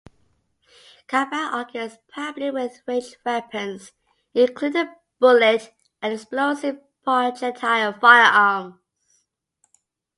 Combat occurs primarily with ranged weapons, including bullet and explosive projectile firearms.